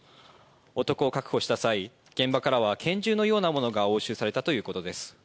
男を確保した際、現場からは拳銃のようなものが押収されたということです。